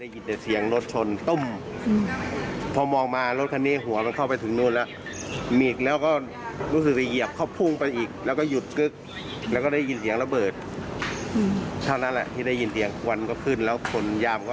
คนที่อยู่ในรถเปิดประตูแล้วหงายท้องลงกับพื้น